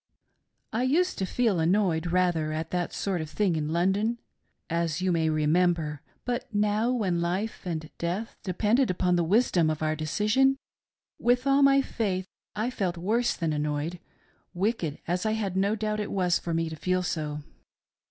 I used to feel annoyed rather at that sort of thing m London, as you may remember, but now when life and death depended upon the wisdom of our decision, with all ray faith, I felt worse than annoyed, wicked as J have no 4aubit it was for me to feel so.